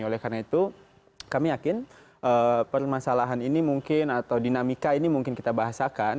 oleh karena itu kami yakin permasalahan ini mungkin atau dinamika ini mungkin kita bahasakan